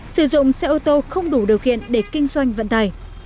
sử dụng xe ô tô không đủ điều kiện để kinh doanh vận tải